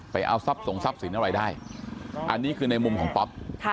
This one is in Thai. ไปเอาทรัพย์ส่งทรัพย์สินอะไรได้อันนี้คือในมุมของป๊อป